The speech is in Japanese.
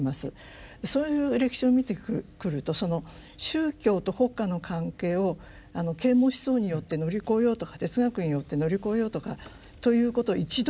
そういう歴史を見てくるとその宗教と国家の関係を啓蒙思想によって乗り越えようとか哲学によって乗り越えようとかということを一度もやってないんです。